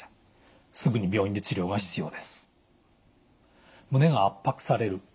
すぐに病院で治療が必要です。